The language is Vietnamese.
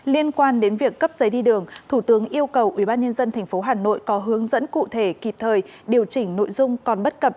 liên quan đến việc cấp giấy đi đường thủ tướng yêu cầu ubnd tp hà nội có hướng dẫn cụ thể kịp thời điều chỉnh nội dung còn bất cập